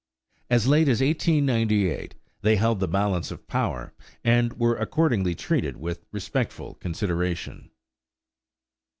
As late as 1898 they held the balance of power, and were accordingly treated with respectful consideration.